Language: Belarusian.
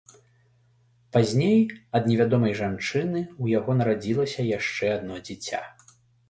Пазней ад невядомай жанчыны ў яго нарадзілася яшчэ адно дзіця.